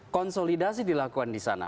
konsolidasi dilakukan di sana